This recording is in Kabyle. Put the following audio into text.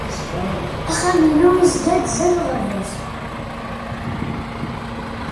Axxam-inu yezga-d sdat uɣerbaz.